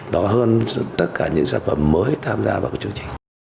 đó hơn tất cả những sản phẩm mới tham gia vào cái chương trình